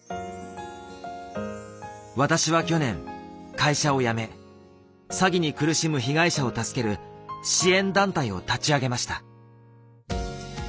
私は去年会社を辞め詐欺に苦しむ被害者を助ける支援団体を立ち上げました。